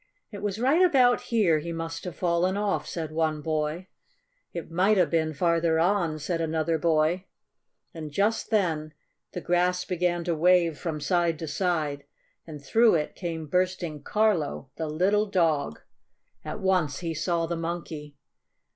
"It was right about here he must have fallen off," said one boy. "It might have been farther on," said another boy. And just then the grass began to wave from side to side, and through it came bursting Carlo, the little dog! At once he saw the Monkey.